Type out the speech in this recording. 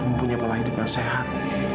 mempunyai pelahidupan sehat